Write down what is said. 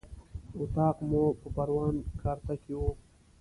اطاق مو په پروان کارته کې و.